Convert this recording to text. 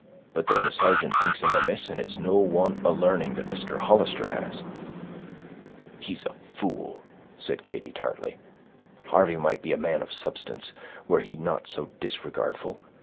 But then the sargeant thinks him amiss, and it's no want of l'arning that Mister Hollister has." "He's a fool!" said Katy tartly. "Harvey might be a man of substance, were he not so disregardful.